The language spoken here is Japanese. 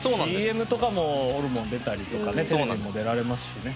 ＣＭとかもホルモン出たりとかねテレビも出られますしね。